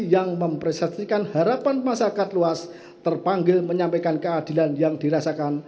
yang memperseptikan harapan masyarakat luas terpanggil menyampaikan keadilan yang dirasakan